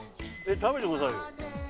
食べてくださいよ。